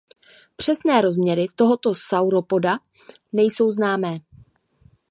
Přesné rozměry tohoto sauropoda nejsou známé.